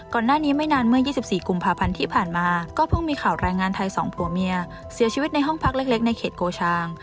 ไม่นานเมื่อ๒๔กุมภาพันธ์ที่ผ่านมาก็เพิ่งมีข่าวแรงงานไทยสองผัวเมียเสียชีวิตในห้องพักเล็กในเขตโกชาง